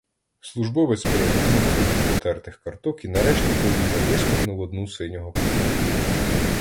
Службовець перегорнув купу потертих карток і нарешті повільно висмикнув одну синього кольору.